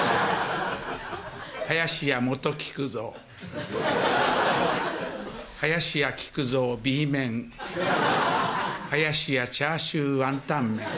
林家元木久蔵、林家木久蔵Ｂ面、林家チャーシューワンタン麺。